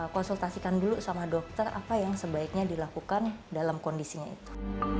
konsultasikan dulu sama dokter apa yang sebaiknya dilakukan dalam kondisinya itu